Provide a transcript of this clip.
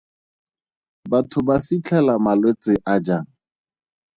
Batho ba fitlhela malwetse a jang?